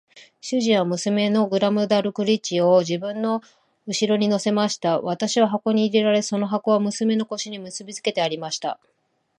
主人は娘のグラムダルクリッチを自分の後に乗せました。私は箱に入れられ、その箱は娘の腰に結びつけてありました。